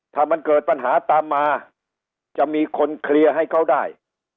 ถ้ามันเกิดปัญหาตามมาจะมีคนเคลียร์ให้เขาได้